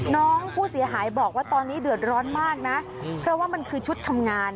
น้องผู้เสียหายบอกว่าตอนนี้เดือดร้อนมากนะเพราะว่ามันคือชุดทำงาน